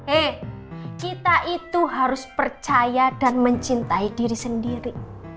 eh kita itu harus percaya dan mencintai diri sendiri